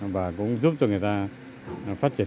và cũng giúp cho người ta phát triển